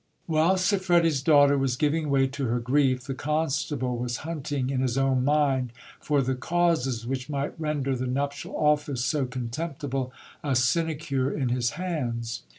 While Siffredi's daughter was giving way to her grief, the constable was hunt ing in his own mind for the causes which might render the nuptial office so contemptible a sinecure in his hands.